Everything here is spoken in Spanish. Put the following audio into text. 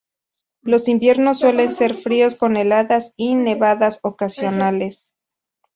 Los inviernos suelen ser fríos, con heladas y nevadas ocasionales.